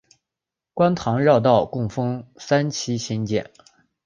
观塘绕道共分三期兴建。